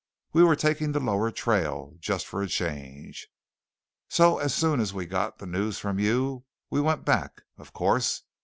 We were taking the lower trail just for a change. So as soon as we got the news from you, we went back, of course.